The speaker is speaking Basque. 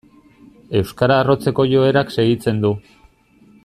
Euskara arrotzeko joerak segitzen du.